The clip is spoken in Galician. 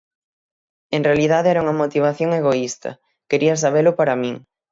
En realidade era unha motivación egoísta, quería sabelo para min.